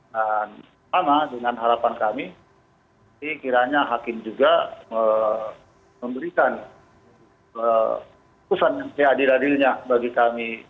dan sama dengan harapan kami kiranya hakim juga memberikan keputusan yang seadil adilnya bagi kami